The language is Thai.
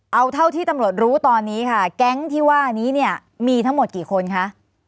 เอาเท่าที่ตำรวจรู้ตอนนี้ค่ะแก๊งที่ว่านี้เนี่ยมีทั้งหมดกี่คนคะ